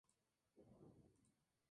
Our Last Album?